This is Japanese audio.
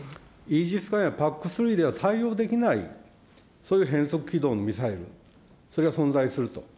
イージス艦やＰＡＣ３では、対応できない、そういう変則軌道のミサイル、それが存在すると。